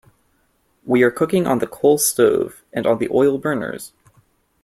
We are cooking on the coal stove and on the oil burners.